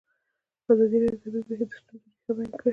ازادي راډیو د طبیعي پېښې د ستونزو رېښه بیان کړې.